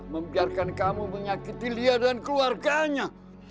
membiarkan kamu menyakiti lia dan keluarganya